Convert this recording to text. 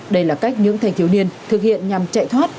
đây là cách những thanh thiếu niên thực hiện nhằm chạy thoát